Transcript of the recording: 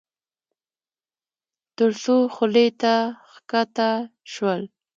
تر څو خولې ته کښته شول.